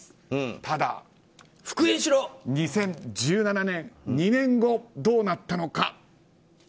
ただ２０１７年２年後、どうなったのか。